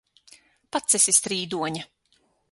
Pats esi strīdoņa!